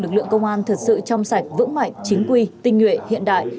lực lượng công an thật sự trong sạch vững mạnh chính quy tinh nguyện hiện đại